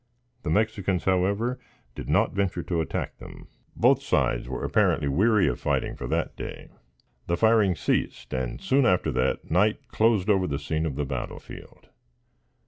The Mexicans, however, did not venture to attack them. Both sides were apparently weary of fighting for that day. The firing ceased, and soon after, night closed over the scene of the battle field.